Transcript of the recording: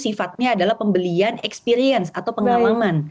sifatnya adalah pembelian experience atau pengalaman